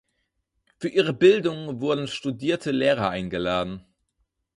Für ihre Bildung wurden studierte Lehrer eingeladen.